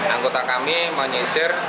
anggota kami menyisir